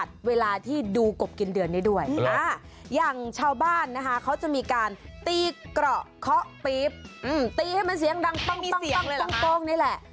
ต้องมีเสียงเลยหรอคะ